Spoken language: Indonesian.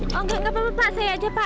tidak apa apa pak saya saja pak